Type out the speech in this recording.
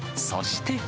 そして。